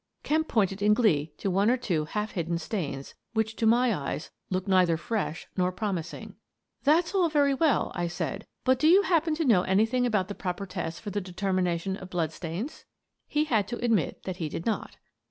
Kemp pointed in glee to one or two half hidden stains, which, to my eyes, looked neither fresh nor promising. " That's all very well," I said, " but do you hap pen to know anything about the proper tests for the determination of blood stains?" He had to admit that he did not.